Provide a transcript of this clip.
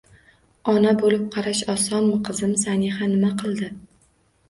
Ona bo'lib qarash osonmi, qizim? Saniha nima qildi?